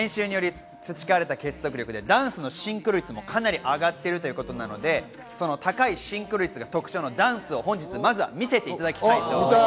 結束力でダンスのシンクロ率も上がっているということなので、高いシンクロ率が特徴のダンスをまずは見せていただきたいと思います。